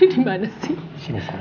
ini dimana sih